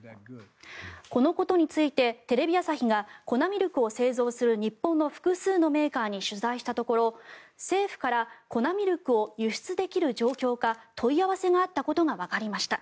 このことについてテレビ朝日が粉ミルクを製造する日本の複数のメーカーに取材したところ政府から粉ミルクを輸出できる状況か問い合わせがあったことがわかりました。